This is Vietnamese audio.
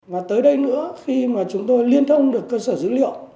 và tới đây nữa khi mà chúng tôi liên thông được cơ sở dữ liệu